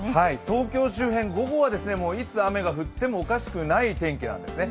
東京周辺、午後はいつ雨が降ってもおかしくない天気なんですね。